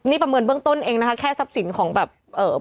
นี่ประเมินเบื้องต้นเองนะคะแค่ทรัพย์สินของแบบเอ่อ